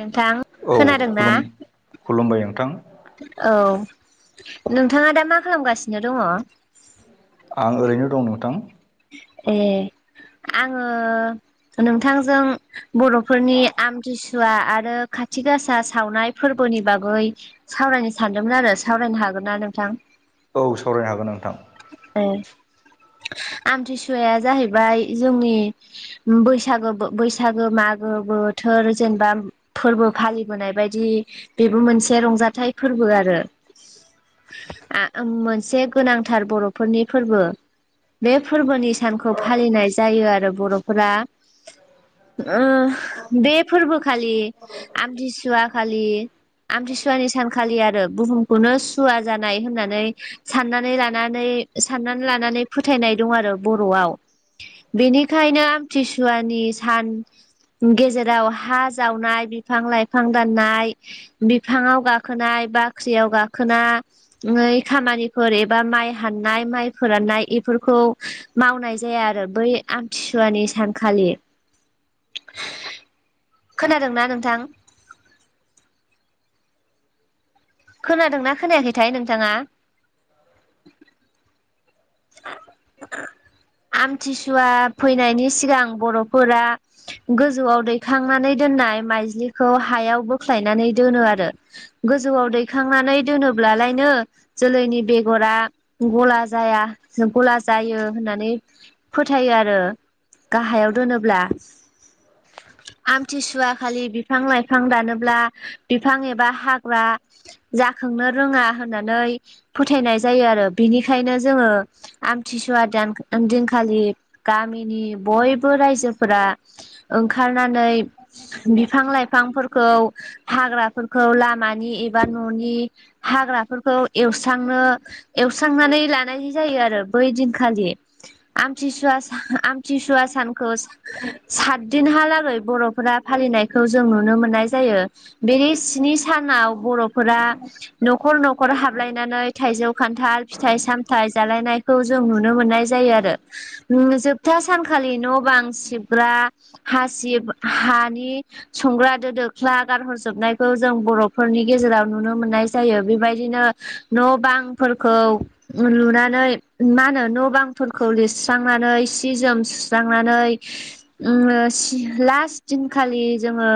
नोंथां औ खोनादों ना खुलुम खुलुमबाय नोंथां औ नोंथाङा दा मा खालामगासिनो दङ आं ओरैनो दं नोंथां ए आङो नोंथांजों बर'फोरनि आमथिसुवा आरो खाथि गासा सावनाय फोरबोनि बागै सावरायनो सानदोंमोन आरो सावरायनो हागोन ना नोंथां? औ सावरायनो हागोन नोंथां। ए आमथिसुवाया जाहैबाय जोंनि बैसागो बैसागो मागो बोथोर जेनेबा फोरबो फालिबोनाय बायदि बेबो मोनसे रंजाथाइ फोरबो आरो आ ओम मोनसे गोनांथार बर'फोरनि फोरबो बे फोरबोनि सानखौ फालिनाय जायो आरो बर'फोरा ओ बे फोरबो खालि आमथिसुवा खालि आमथिसुवानि सानखालि आरो बुहुमखौनो सुवा जानाय होननानै साननानै ला नानै साननानै लानानै फोथायनाय दं आरो बर'आव बेनिखायनो आमथिसुवानि सान गेजेराव हा जावनाय बिफां लाइफां दाननाय बिफांआव गाखोनाय बाख्रियाव गाखोना नै खामानिफोर ए बा माइ हाननाय माइ फोराननाय बेफोरखौ मावनाय जाया आरो बै आमथिसुवानि सानखालि खोनादोंना नोंथां खोनादोंना खोनायाखैथाय नोंथाङा आमथिसुवा फैनायनि सिगां बर'फोरा गोजौआव दैखांनानै दोननाय माइज्लिखौ हायाव बोख्लायनानै दोनो आरो गोजौआव दैखांनानै दोनोब्लालायनो जोलैनि बेगरा गला जाया जों गला जायो होननानै फोथायो आरो गाहायाव दोनोब्ला [inaudible] आमथिसुवा खालि बिफां लाइफां दानोब्ला बिफां एबा हाग्रा जाखांनो रोङा होननानै फोथायनाय जायो आरो बिनिखायनो जोङो आमथिसुवा दान दिनखालि गामिनि बयबो रायजोफोरा ओंखारनानै बिफां लाइफांफोरखौ हाग्राफोरखौ लामानि एबा न'नि हाग्राफोरखौ एवस्रांनो एवस्रांनानै लानाय जायो आरो बै दिनखालि आमथिसुवा सा आमथिसुवा सानखौ सात दिनहालागै बर'फोरा फालिनायखौ जों नुनो मोननाय जायो। बेनि स्नि सानाव बर'फोरा न'खर न'खर हाबलायनानै थाइजौ खान्थाल फिथाइ सामथाय जालायनायखौ जों नुनो मोननाय जायो आरो ओ जोबथा सानखालि न' बां सिबग्रा हासिब हानि संग्रा दो दोख्ला गारहरजोबनायखौ जों बर'फोरनि गेजेराव नुनो मोननाय जायो बेबायदिनो न' बांफोरखौ लुना नै मा होनो न' बांफोरखौ लिरस्रांनानै सि जोम सुस्रांनानै उम ओ लास्ट दिनखालि जोङो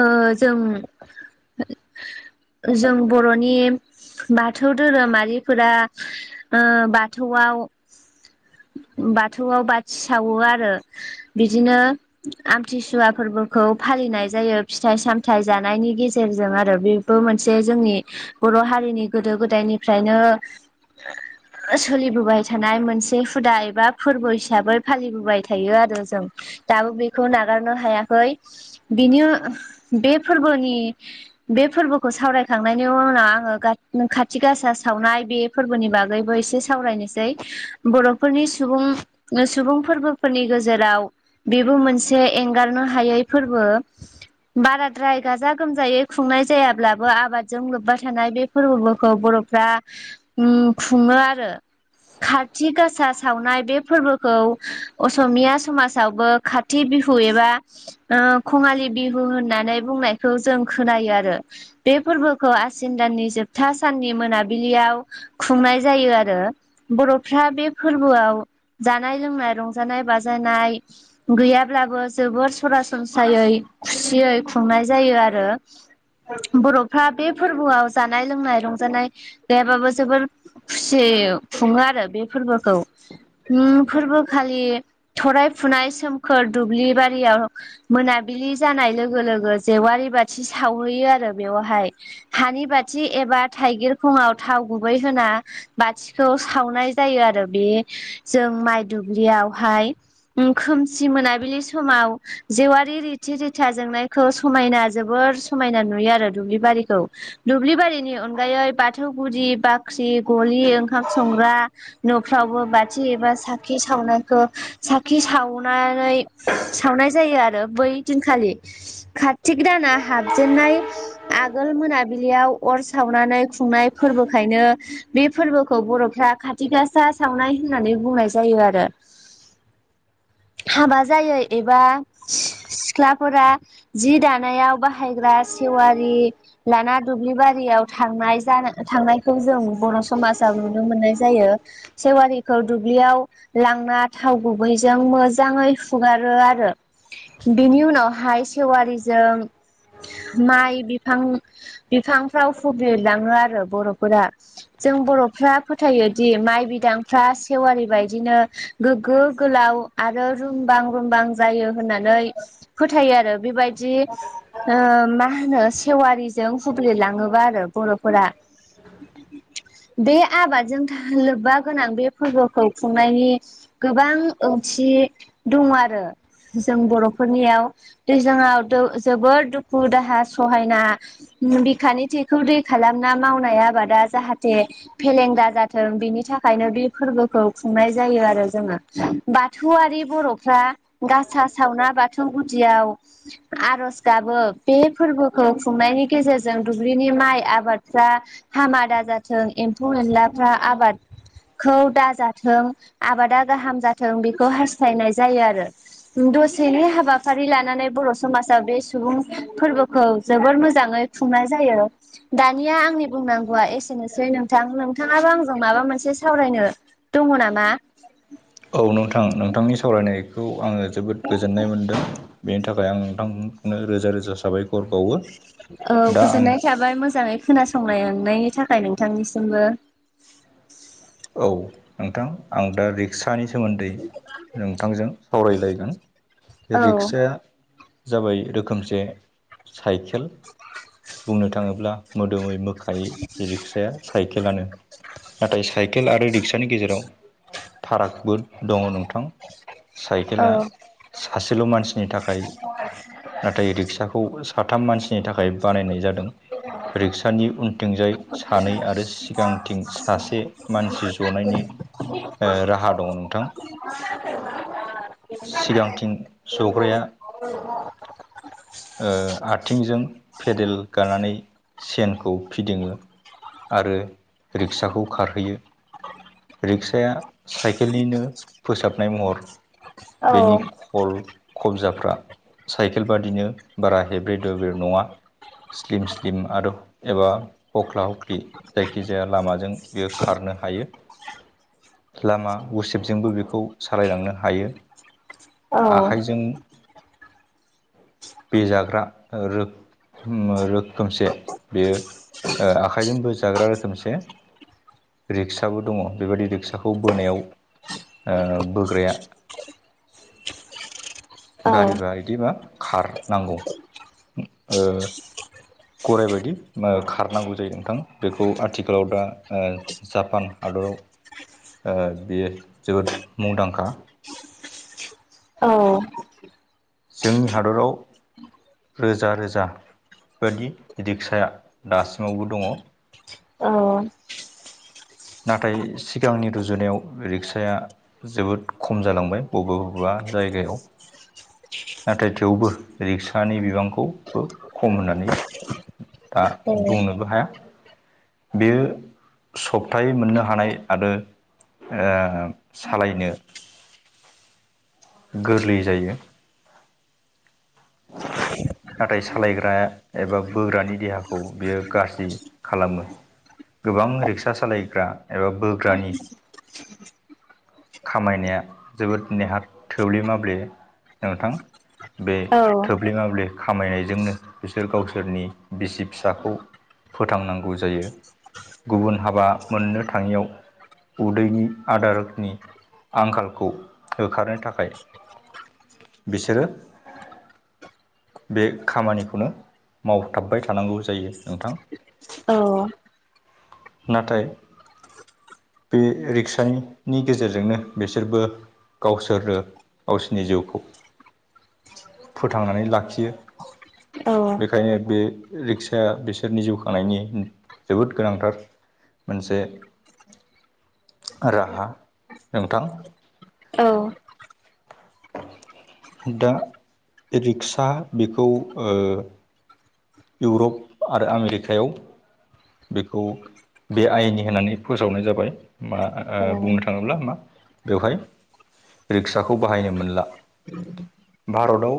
ओ जों जों बर'नि बाथौ धोरोमारिफोरा ओ बाथौआव बाथौआव बाथि सावो आरो बिदिनो आमथिसुवा फोरबोखौ फालिनाय जायो फिथाइ सामथाइ जानायनि गेजेरजों आरो बे बो मोनसे जोंनि बर' हारिनि गोदो गोदायनिफ्रायनो सोलिबोबाय थानाय मोनसे हुदा एबा फोरबो हिसाबै फालिबोबाय थायो आरो जों दाबो बेखौ नागारनो हायाखै बिनि बे फोरबोनि बे फोरबोखौ सावरायखांनायनि उनाव आङो खाथि गासा सावनाय बे फोरबोनि बागैबो एसे सावरायनोसै बर'फोरनि सुबुं सुबुं फोरबोफोरनि गेजेराव बेबो मोनसे एंगारनो हायै फोरबो बाराद्राय गाजा गोमजायै खुंनाय जायाब्लाबो आबादजों लोब्बा थानाय बे फोरबोफोरखौ बर'फ्रा खुङो आरो खाति गासा सावनाय बे फोरबोखौ असमिया समाजावबो खा थि बिहु एबा खङालि बिहु होननानै बुंनायखौ जों खोनायो आरो बे फोरबोखौ आसिन दाननि जोबथा साननि मोनाबिलियाव खुंनाय जायो आरो बर'फ्रा बे फोरबोआव जानाय लोंनाय रंजानाय बाजानाय गैयाब्लाबो जोबोर सरासनस्रायै खुसियै खुंनाय जायो आरो बर'फ्रा बे फोरबोआव जानाय लोंनाय रंजानाय गैयाबाबो जोबोर खुसियै खुङो आरो बे फोरबोखौ उम फोरबोखालि थराय फुनाय सोमखोर दुब्लि बारियाव मोनाबिलि जानाय लोगो लोगो जेवारि बाथि सावहैयो आरो बेवहाय हानि बाथि एबा थाइगिर खङाव थाव गुबै होना बाथिखौ सावनाय जायो आरो बे जों माइ दुब्लियावहाय खोमसि मोनाबिलि समाव जेवारि रिथि रिथा जोंनायखौ समायना जोबोर समायना नुयो आरो दुब्लिबारिखौ दुब्लिबारिनि अनगायै बाथौ गुदि बाख्रि गलि ओंखाम संग्रा न'फ्रावबो बाथि एबा साखि सावनायखौ साखि सावनानै सावनाय जायो आरो बै दिनखालि कार्तिक दाना हाबजेननाय आगोल मोनाबिलियाव अर सावनानै खुंनाय फोरबो ओंखायनो बे फोरबोखौ बर'फ्रा खाथि गासा सावनाय होननानै बुंनाय जायो आरो हाबा जायो एबा सिख्लाफोरा जि दानायाव बाहायग्रा सेवारि लाना दुब्लि बारियाव थांनाय जा थांनाय खौ जों बर' समाजाव नुनो मोननाय जायो सेवारिखौ दुब्लियाव लांना थाव गुबैजों मोजाङै हुगारो आरो बेनि उनावहाय सेवारिजों माइ बिफां बिफांफ्राव हुब्लिरलाङो आरो बर'फोरा जों बर'फ्रा फोथायोदि माइ बिदांफ्रा सेवारि बायदिनो गोग्गो गोलाव आरो रुमबां रुमबां जायो होननानै फोथायो आरो बेबायदि ओ मा होनो सेवारिजों हुब्लिरलाङोबा आरो बर'फोरा बे आबादजों लोब्बा गोनां बे फोरबोखौ खुंनायनि गोबां ओंथि दङ आरो जों बर'फोरनियाव दैज्लाङाव जोबोर दुखु दाहा सहायना बिखानि थैखौ दै खालामना मावनाय आबादा जाहाथे फेलेंदा जाथों बिनि थाखायनो बे फोरबोखौ खुंनाय जायो आरो जोङो बाथौआरि बर'फ्रा गासा सावना बाथौ गुदियाव आर'ज गाबो बे फोरबोखौ खुंनायनि गेजेरजों दुब्लिनि माइ आबादफ्रा हामादा जाथों एम्फौ एनलाफ्रा आबाद खौ दाजाथों आबादा गाहाम जाथों बेखौ हास्थायनाय जायो आरो दसेनि हाबाफारि लानानै बर' समाजा बे सुबुं फोरबोखौ जोबोर मोजाङै खुंनाय जायो दानिया आंनि बुंनांगौआ एसेनोसै नोंथां नोंथाङाबो आंजों माबा मोनसे सावरायनो दङ नामा? औ नोंथां नोंथांनि सावरायनायखौ आङो जोबोद गोजोननाय मोनदों। बेनि थाखाय आं नोंथांखौनो रोजा रोजा साबायखर बावो औ दा आं गोजोननाय थाबाय मोजाङै खोनासंलनायनि थाखाय नोंथांनिसिमबो औ नोंथां। आं दा रिक्सानि सोमोन्दै नोंथांजों सावरायलायगोन। बे औ रिक्साया जाबाय रोखोमसे साइकेल बुंनो थाङोब्ला मोदोमै मोखायै रिक्साया साइकेलानो नाथाय साइकेल आरो रिक्सानि गेजेराव फारागबो दङ नोंथां औ साइकेला सासेल' मानसि थाखाय नाथाय रिक्साखौ साथाम मानसिनि थाखाय बानायनाय जादों। रिक्सानि उनथिंजाय सानै आरो सिगांथिं सासे मानसि जनायनि ओ राहा दङ नोंथां सिगांथिं सग्राया ओ आथिंजों फेदेल गानानै सेनखौ फिदिङो आरो रिक्साखौ खारहैयो रिक्साया साइकेलनिनो फोसाबनाय महर बेनि हल खबजाफ्रा साइकेल बादिनो बारा हेब्रे दब्रे नङा स्लिम स्लिम आरो एबा हख्ला हख्लि जायखिजाया लामाजों बेयो खारनो हायो। लामा गुसेबजोंबो बेखौ सालायलांनो हायो। आखाइजों बे जाग्रा रो-रो रोखोमसे बेयो आखाइजोंबो जाग्रा रोखोमसे रिक्साबो दङ बेबायदि रिक्साखौ बोनायाव ओ बोग्राया गारिबा बिदिबा खार नांगौ। ओ गराइ बायदि खारनांगौ जायो नोंथां बेखौ आथिखालाव दा ओ जापान हादराव बेयो जोबोद मुंदांखा औ जोंनि हादराव रोजा रोजा बायदि रिक्साया दासिमावबो दङ। औ नाथाय सिगांनि रुजुनायाव रिक्साया जोबोद खम जालांबाय बबेबा बबेबा जायगायाव नाथाय थेवबो रिक्सानि बिबांखौबो खम होननानै दा बुंनोबो हाया बेयो सब थाय मोननो हानाय आरो सालायनो गोरलै जायो। [inaudible] नाथाय सालायग्रा एबा बोग्रानि देहाखौ बियो गाज्रि खालामो गोबां रिक्सा सालायग्रा एबा बोग्रानि खामायनाया जोबोद नेहाथ थोब्ले माब्ले नोंथां। बे थोब्ले माब्ले खामायनायजोंनो बिसोर गावसोरनि बिसि फिसाखौ फोथांनांगौ जायो गुबुन हाबा मोननो थाङियाव उदैनि आदारनि आंखालखौ होखारनो थाखाय बिसोरो बे खामानिखौनो मावथाबबाय थानांगौ जायो नोंथां औ नाथाय बे रिक्सानि नि गेजेरजोंनो बिसोरबो गावसोरो गावसोरनि जिउखौ फोथांनानै लाखियो बेखायनो बे रिक्साया बिसोरनि जिउ खांनायनि जोबोद गोनांथार मोनसे राहा नोंथां औ दा रिक्सा बेखौ ओ इउरप आरो आमेरिकायाव बेखौ बे आइननि होननानै फोसावनाय जाबाय मा बुंनो थाङोब्ला मा बेवहाय रिक्साखौ बाहायनो मोनला भारतआव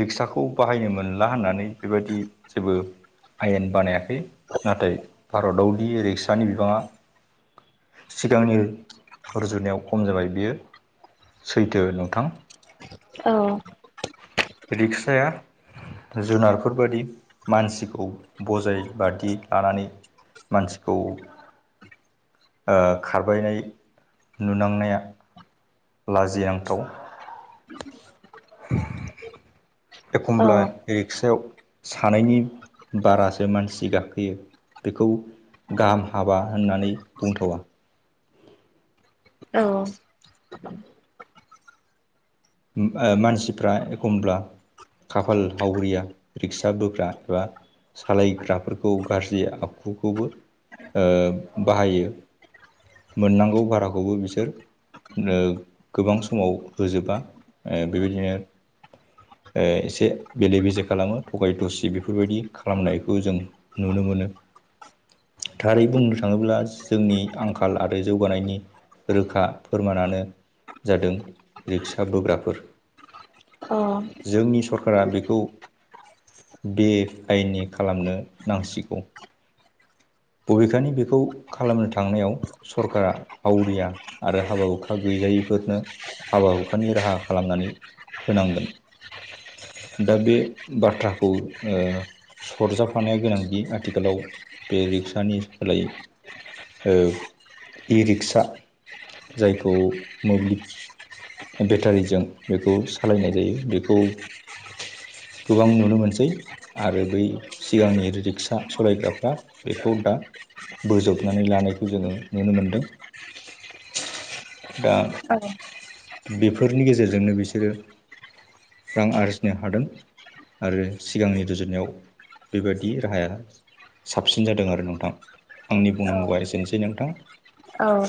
रिक्साखौ बाहायनो मोनला होननानै बेबायदि जेबो आयेन बानायाखै नाथाय भारताव दि रिक्सानि बिबाङा सिगांनि रुजुनायाव खम जाबाय बियो सैथो नोंथां औ रिक्साया जुनारफोरबायायदि मानसिखौ बजाय बादि लानानै मानसिखौ ओ खारबायनाय नुनांनाया लाजिनांथाव एखमब्ला रिक्सायाव सानायनि बारासो मानसि गाखोयो बेखौ गाहाम हाबा होननानै बुंथावा औ मानसिफ्रा एखमब्ला खाफाल हावरिया रिक्सा बोग्रा एबा सालायग्राफोरखौ गाज्रि आखुखौबो ओ बाहायो मोननांगौ भाराखौबो बिसोर गोबां समाव होजोबा बेबायदिनो एसे बेले बेजे खालामो थगाय थसि बेफोरबायदि खालामनायखौ जों नुनो मोनो थारै बुंनो थाङोब्ला जोंनि आंखाल आरो जौगानायनि रोखा फोरमानानो जादों रिक्सा बोग्राफोर अ जोंनि सरखारारा बेखौ बे आयेननि खालामनो नांसिगौ बबेखानि बेखौ खालामनो थांनायाव सरकारा हावरिया आरो हाबा हुखा गैजायिफोरनो हाबा हुखानि राहा खालामनानै होनांगोन दा बे बाथ्राखौ ओ सरजाफानाया गोनांदि आथिखालाव बे रिक्सानि सोलायै ओ इ रिक्सा जायखौ मोब्लिब बेटारिजों बेखौ सालायनाय जायो बेखौ गोबां नुनो मोनसै आरो बै सिगांनि रिक्सा सालायग्राफ्रा बेखौ दा बोजबनानै लानायखौ जोङो नुनो मोनदों दा बेफोरनि गेजेरजोंनो बिसोरो रां आरजिनो हादों। आरो सिगांनि रुजुननायाव बेबादि राहाया साबसिन जादों आरो न नोंथां आंनि बुंनांगौआ एसेनोसै नोंथां। औ।